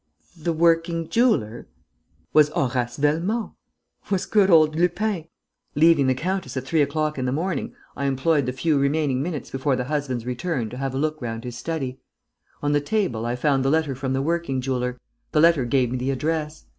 "The working jeweller?" "Was Horace Velmont! Was good old Lupin! Leaving the countess at three o'clock in the morning, I employed the few remaining minutes before the husband's return to have a look round his study. On the table I found the letter from the working jeweller. The letter gave me the address.